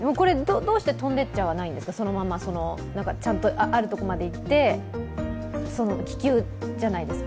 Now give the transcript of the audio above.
どうしてこれ、飛んでいっちゃわないんですか、ちゃんとあるところまでいって、気球じゃないですか。